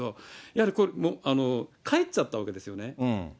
やはりこれはもう帰っちゃったわけですよね。